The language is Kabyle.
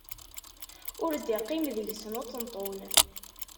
Ur d-iqqim deg-sen uṭenṭun.